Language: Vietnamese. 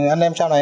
anh em sau này